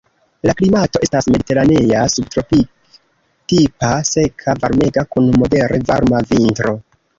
La klimato estas mediteranea, subtropik-tipa, seka, varmega, kun modere varma vintro.